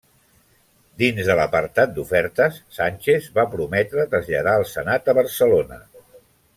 Dins de l'apartat d'ofertes, Sánchez va prometre traslladar el Senat a Barcelona.